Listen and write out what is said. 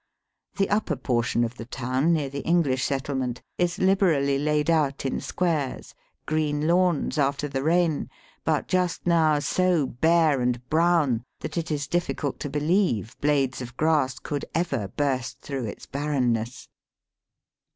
The upper portion of the town, near the English settlement, is liberally laid out in squares, green lawns after the rain, but just now so bare and brown that it is difficult to believe blades of grass could ever burst through its barrenness.